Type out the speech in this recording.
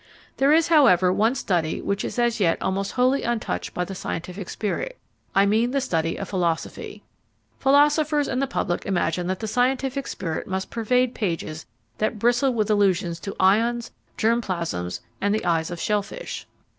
There is however, one study which is as yet almost wholly untouched by the scientific spirit I mean the study of philosophy. Philosophers and the public imagine that the scientific spirit must pervade pages that bristle with allusions to ions, germ plasms, and the eyes of shell fish.